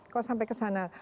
kok sampai kesana